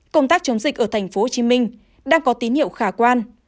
công tác chống dịch ở tp hcm đang có tín hiệu khả quan